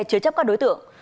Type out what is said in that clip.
chứa chấp các đối tượng